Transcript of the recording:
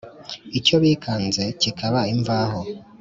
Icyo bikanze kikaba imvaho,